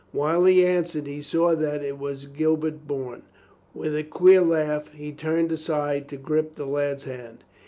While he answered he saw that it was Gilbert Bourne. With a queer laugh he turned aside to grip the lad's hand.